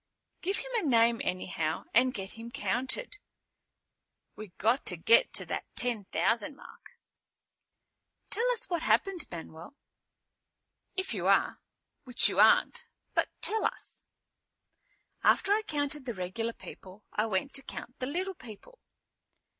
"Give him a name anyhow and get him counted. We got to get to that ten thousand mark." "Tell us what happened, Manuel if you are. Which you aren't. But tell us." "After I counted the regular people I went to count the little people.